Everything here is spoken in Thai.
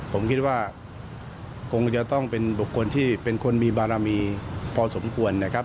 ผมคิดว่าคงจะต้องเป็นบุคคลที่เป็นคนมีบารมีพอสมควรนะครับ